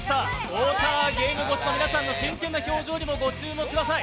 ウォーターゲーム越しの皆さんの真剣な表情にもご注目ください。